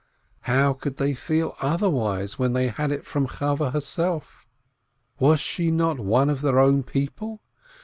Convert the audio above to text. How could they feel otherwise when they had it from Chavveh herself? Was she not one of their own people?